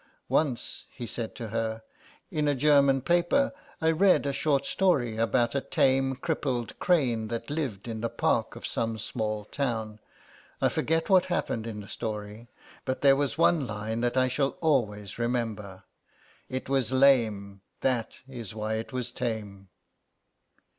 "Once," he said to her, "in a German paper I read a short story about a tame crippled crane that lived in the park of some small town. I forget what happened in the story, but there was one line that I shall always remember: 'it was lame, that is why it was tame.